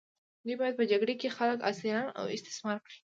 دوی باید په جګړه کې خلک اسیران او استثمار کړي.